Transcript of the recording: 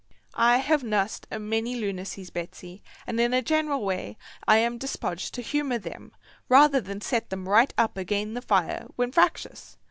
I have nussed a many lunacies, Betsy, and in a general way am dispoged to humour them rather than set them right up agin the fire when fractious.